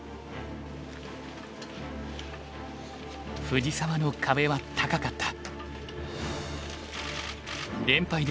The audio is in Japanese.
藤沢の壁は高かった。